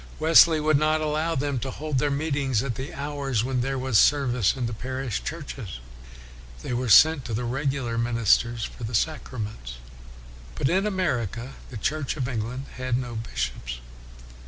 Wesley would not allow them to hold their meet ings at the hours when there was service in the parish churches. They were sent to the regular ministers for the sacraments. WESLEY 317 But in America the Church of England had no bishops.